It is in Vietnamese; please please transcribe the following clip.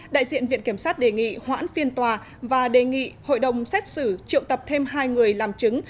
đại diện viện kiểm sát đề nghị hoãn phiên tòa và đề nghị hội đồng xét xử triệu tập thêm hai người làm chứng